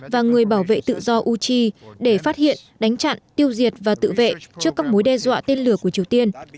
và người bảo vệ tự do uchi để phát hiện đánh chặn tiêu diệt và tự vệ trước các mối đe dọa tên lửa của triều tiên